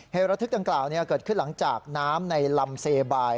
ระทึกดังกล่าวเกิดขึ้นหลังจากน้ำในลำเซบาย